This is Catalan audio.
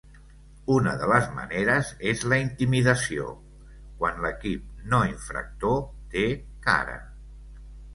Una de les maneres és la intimidació, quan l'equip no infractor té "cara".